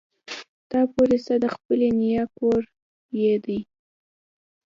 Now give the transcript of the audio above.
تا پورې څه د خپلې نيا کور يې دی.